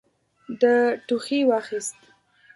ده ټوخي واخيست.